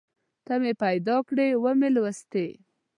ته مې پیدا کړې ومې لوستې